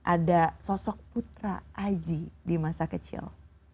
ada sosok putra aji di masa kecil